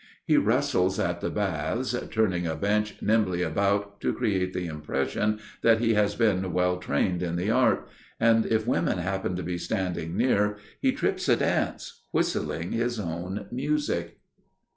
He wrestles at the baths, turning a bench nimbly about to create the impression that he has been well trained in the art; and if women happen to be standing near, he trips a dance, whistling his own music.